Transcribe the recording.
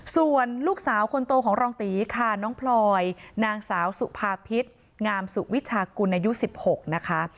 ส่วนลูกสาวคนโตของรองตีค่ะน้องพลอยนางสาวสุภาพิษงามสุวิชากุลอายุ๑๖นะคะ